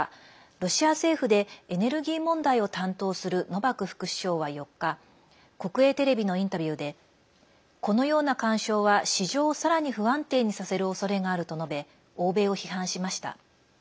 ロシア政府でエネルギー問題を担当するノバク副首相は４日国営テレビのインタビューでこのような干渉は市場をさらに不安定にさせるおそれがあると述べ欧米を批判しました。